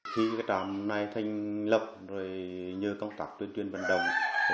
khi trạm này thành lập nhờ công tạp tuyên truyền vận động